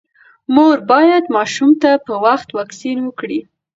مور باید ماشوم ته په وخت واکسین وکړي۔